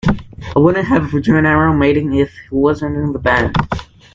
I wouldn't have rejoined Iron Maiden if he wasn't in the band.